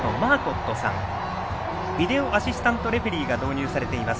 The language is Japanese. ビデオアシスタントレフリーが導入されています。